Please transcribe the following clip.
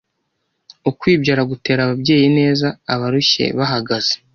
Ukwibyara gutera abayeyi ineza abarushye bahagaze